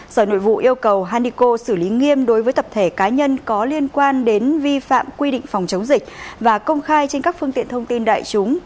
sở nội vụ yêu cầu hanico xử lý nghiêm đối với tập thể cá nhân có liên quan đến vi phạm quy định phòng chống dịch và công khai trên các phương tiện thông tin đại chúng